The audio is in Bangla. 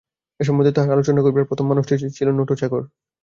এ সম্বন্ধে তাঁহার আলোচনা করিবার প্রথম মানুষটি ছিল নোটো চাকর।